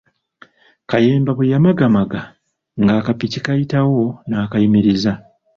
Kayemba bwe yamagamaga ng’akapiki kayitawo n’akayimiriza.